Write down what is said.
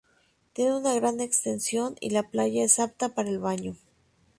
Tiene una gran extensión y la playa es apta para el baño.